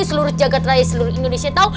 seluruh jagad raya seluruh indonesia tahu